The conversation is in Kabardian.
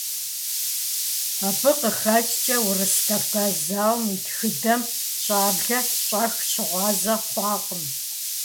Абы къыхэкӀкӀэ Урыс-Кавказ зауэм и тхыдэм щӀэблэр щӀэх щыгъуазэ хъуакъым.